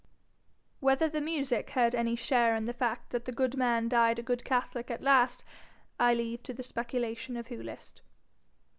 Whether the music had any share in the fact that the good man died a good catholic at last, I leave to the speculation of who list.